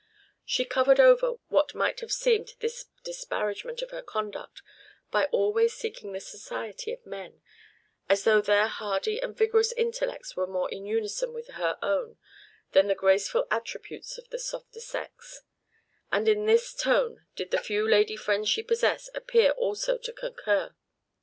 She covered over what might have seemed this disparagement of her conduct, by always seeking the society of men, as though their hardy and vigorous intellects were more in unison with her own than the graceful attributes of the softer sex; and in this tone did the few lady friends she possessed appear also to concur.